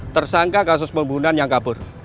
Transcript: tersangka kasus pembunuhan yang kabur